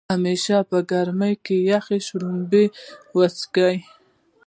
همیشه په ګرمۍ کې يخې شړومبۍ وڅښئ